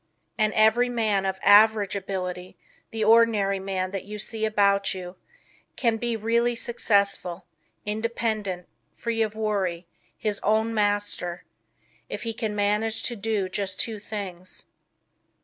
And every man of AVERAGE ability, the ordinary man that you see about you, can be really successful, independent, free of worry, HIS OWN MASTER, if he can manage to do just two things.